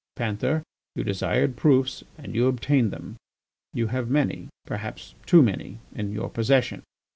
. Panther, you desired proofs and you obtained them. You have many, perhaps too many, in your possession.